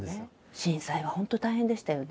震災は本当大変でしたよね。